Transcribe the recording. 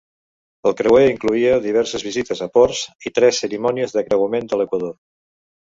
El creuer incloïa diverses visites a ports i tres cerimònies de creuament de l'equador.